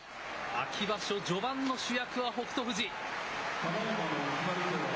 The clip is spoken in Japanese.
秋場所序盤の主役は北勝富士。